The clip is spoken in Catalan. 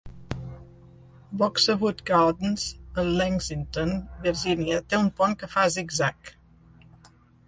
Boxerwood Gardens, a Lexington, Virginia té un pont que fa zig-zag.